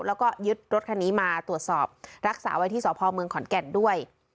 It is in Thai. แล้วก็ยึดรถคันนี้มาตรวจสอบรักษาไว้ที่สพเมืองขอนแก่นด้วย